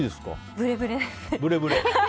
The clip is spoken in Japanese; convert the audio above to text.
ブレブレ。